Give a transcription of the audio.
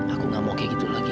aku gak mau kayak gitu lagi